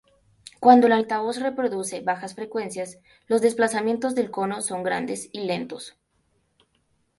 Cuando el altavoz reproduce bajas frecuencias, los desplazamientos del cono son grandes y lentos.